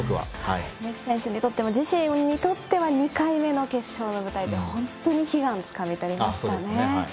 メッシ選手にとっても自身にとっては２回目の決勝の舞台で本当に悲願をつかみとりましたね。